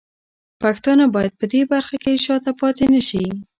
پښتانه باید په دې برخه کې شاته پاتې نه شي.